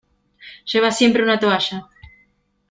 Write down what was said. Lleva siempre una toalla.